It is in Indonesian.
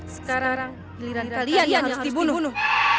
sekarang giliran kalian yang harus dibunuh